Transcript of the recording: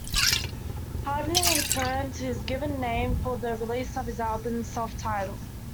Harding returned to his given name for the release of his album, "Self-Titled".